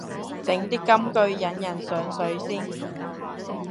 整啲金句引人上水先